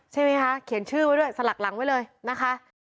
ใช่ไหมคะเขียนชื่อไว้ด้วยสลักหลังไว้เลยนะคะ